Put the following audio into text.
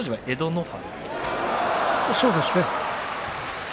そうですね。